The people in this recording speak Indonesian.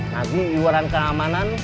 lagi iwaran keamanan